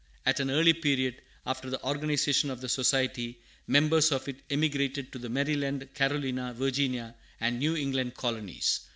At an early period after the organization of the Society, members of it emigrated to the Maryland, Carolina, Virginia, and New England colonies.